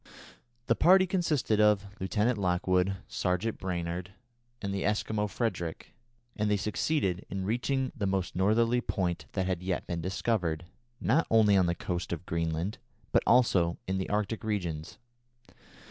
The party consisted of Lieutenant Lockwood, Sergeant Brainard, and the Eskimo Frederick, and they succeeded in reaching the most northerly point that had yet been discovered, not only on the coast of Greenland, but also in the Arctic regions.